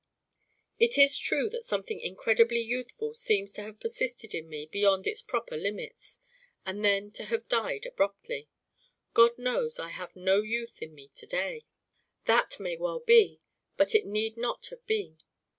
"It is true that something incredibly youthful seems to have persisted in me beyond its proper limits, and then to have died abruptly. God knows I have no youth in me to day." "That may well be, but it need not have been.